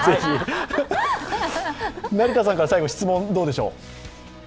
成田さんから最後質問どうでしょう？